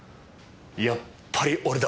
やっぱり俺だ。